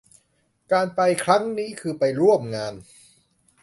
การไปครั้งนี้คือไปร่วมงาน